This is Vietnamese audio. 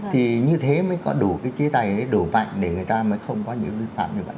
thì như thế mới có đủ cái chế tài đủ mạnh để người ta mới không có những vi phạm như vậy